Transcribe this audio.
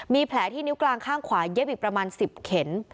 มีแผลที่นิ้วกลางข้างขวาเย็บอีกประมาณ๑๐เข็ม